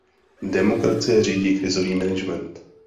Demokracie řídí krizový management.